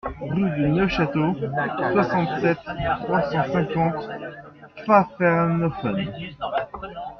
Rue de Neufchâteau, soixante-sept, trois cent cinquante Pfaffenhoffen